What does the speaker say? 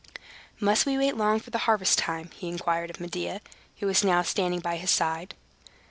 "Must we wait long for harvest time?" he inquired of Medea, who was now standing by his side.